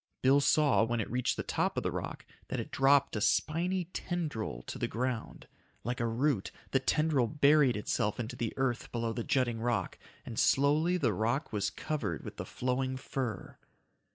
Bill saw, when it reached the top of the rock, that it dropped a spiny tendril to the ground. Like a root, the tendril buried itself into the earth below the jutting rock, and slowly the rock was covered with the flowing fur.